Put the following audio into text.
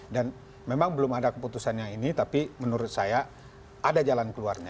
dan memang belum ada keputusannya ini tapi menurut saya ada jalan keluarnya